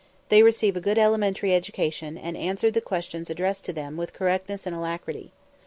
They receive a good elementary education, and answered the questions addressed to them with correctness and alacrity.